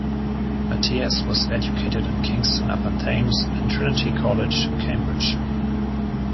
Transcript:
Mathias was educated in Kingston upon Thames and Trinity College, Cambridge.